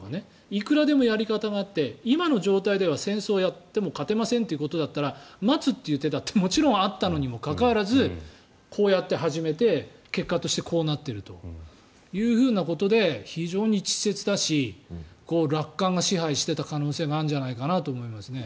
いくらでもやり方があって今の状態では戦争をやっても勝てませんということだったら待つという手だってもちろんあったにもかかわらずこうやって始めて、結果としてこうなっているということで非常に稚拙だし楽観が支配してた可能性があるんじゃないかと思いますね。